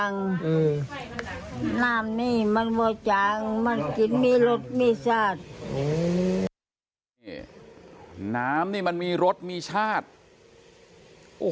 น้ำนี่มันมีรสมีชาติโอ้โหนี่น้ำสะอาดจากขวดนะครับ